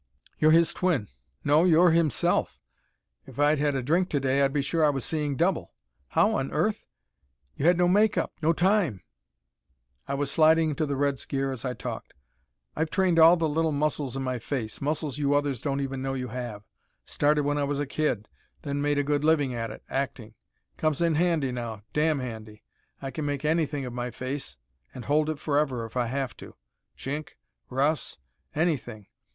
"You're his twin; no, you're himself! If I'd had a drink to day I'd be sure I was seeing double. How on earth you had no make up, no time " I was sliding into the Red's gear as I talked! "I've trained all the little muscles in my face muscles you others don't even know you have. Started when I was a kid, then made a good living at it, acting. Comes in handy now, damn handy. I can make anything of my face, and hold it forever if I have to. Chink, Russ anything.